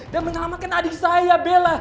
dan menyelamatkan adik saya bella